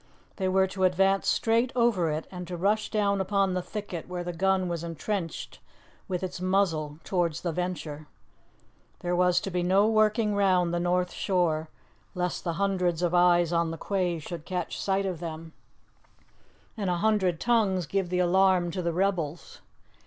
They were to advance straight over it, and to rush down upon the thicket where the gun was entrenched with its muzzle towards the Venture. There was to be no working round the north shore, lest the hundreds of eyes on the quays should catch sight of them, and a hundred tongues give the alarm to the rebels.